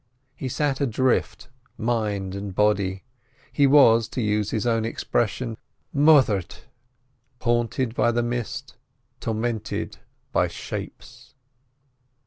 He sat adrift mind and body. He was, to use his own expression, "moithered." Haunted by the mist, tormented by "shapes."